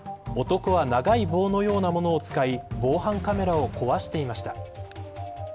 男は、長い棒のようなものを使い防犯カメラを壊していました。